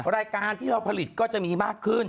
รายการที่เราผลิตก็จะมีมากขึ้น